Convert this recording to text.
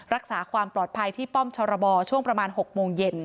รักษาความปลอดภัยที่ป้อมชรบช่วงประมาณ๖โมงเย็น